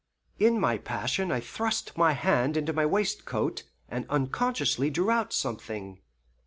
In my passion I thrust my hand into my waistcoat and unconsciously drew out something.